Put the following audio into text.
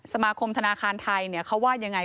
สมาคมธนาคารไทยเขาว่ายังไง